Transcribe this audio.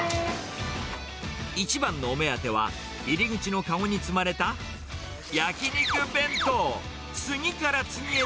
一番のお目当ては、入り口の籠に積まれた焼き肉弁当。